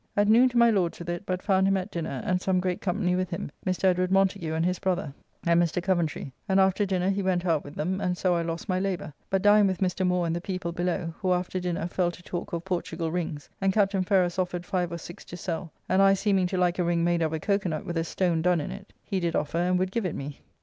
At noon to my Lord's with it, but found him at dinner, and some great company with him, Mr. Edward Montagu and his brother, and Mr. Coventry, and after dinner he went out with them, and so I lost my labour; but dined with Mr. Moore and the people below, who after dinner fell to talk of Portugall rings, and Captain Ferrers offered five or six to sell, and I seeming to like a ring made of a coco nutt with a stone done in it, he did offer and would give it me.